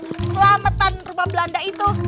selamatan rumah belanda itu